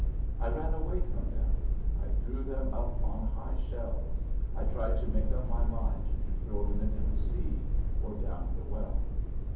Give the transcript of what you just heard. I ran away from them, I threw them up on high shelves, I tried to make up my mind to throw them into the sea, or down the well.